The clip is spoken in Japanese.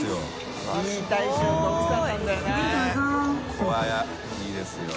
ここはいいですよ。